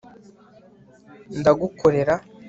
ndagukorera